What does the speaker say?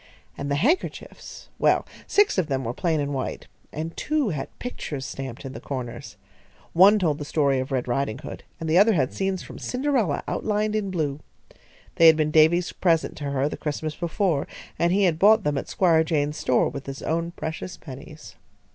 And the handkerchiefs well, six of them were plain and white, and two had pictures stamped in the corners. One told the story of Red Ridinghood and the other had scenes from Cinderella outlined in blue. They had been Davy's present to her the Christmas before, and he had bought them at Squire Jaynes's store with his own precious pennies.